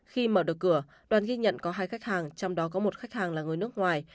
khi mở được cửa đoàn ghi nhận có hai khách hàng trong đó có một khách hàng là người nước ngoài